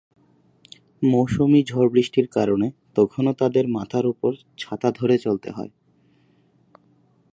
মৌসুমি ঝড়-বৃষ্টির কারণে তখনো তাঁদের মাথার ওপর ছাতা ধরে চলতে হয়।